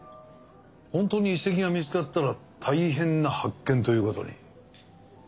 ホントに遺跡が見つかったら大変な発見ということに。